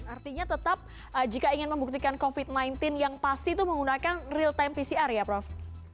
artinya tetap jika ingin membuktikan covid sembilan belas yang pasti itu menggunakan real time pcr ya prof